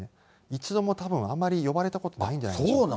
一度も、たぶん、あんまり呼ばれたことないんじゃないでしょうか。